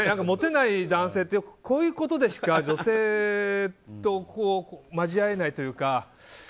モテない男性ってこういうことでしか女性と交じり合えないというか。